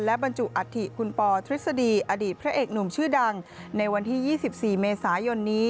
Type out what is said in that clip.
และบรรจุอัฐิคุณปอทฤษฎีอดีตพระเอกหนุ่มชื่อดังในวันที่๒๔เมษายนนี้